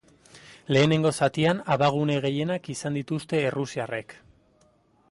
Lehenengo zatian, abagune gehienak izan dituzte errusiarrek.